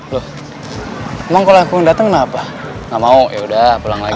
loh emang kalau aku yang dateng kenapa gak mau yaudah pulang lagi